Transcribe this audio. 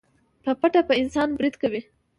په پټه په انسان بريد کوي.